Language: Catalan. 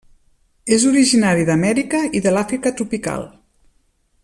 És originari d'Amèrica i de l'Àfrica tropical.